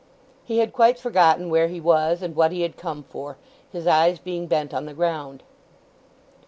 He had quite forgotten where he was, and what he had come for, his eyes being bent on the ground.